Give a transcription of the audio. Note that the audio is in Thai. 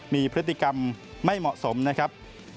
มีพฤติกรรมไม่เหมาะสมนะครับ